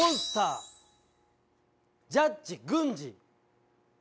ジャッジ軍地。